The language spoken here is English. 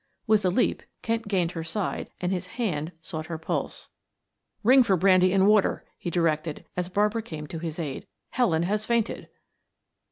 With a leap Kent gained her side and his hand sought her pulse. "Ring for brandy and water," he directed as Barbara came to his aid. "Helen has fainted."